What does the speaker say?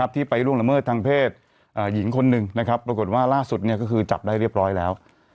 ที่ไปล่วงละเมิดทางเพศหญิงคนหนึ่งนะครับปรากฏว่าล่าสุดก็คือจับได้เรียบร้อยแล้ว